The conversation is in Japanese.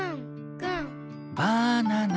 「バナナ！」